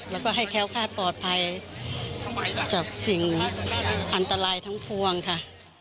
แล้วก็ให้แค้วคาดปลอดภัยจับสิ่งอันตรายทั้งพวงค่ะ